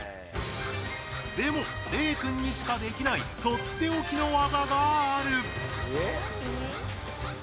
でも、礼くんにしかできないとっておきの技がある！